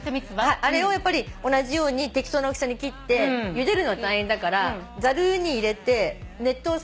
あれを同じように適当な大きさに切ってゆでるの大変だからざるに入れて熱湯さってかけるだけ。